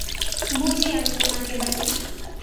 বুঝি আমি তোমাকে, বানি।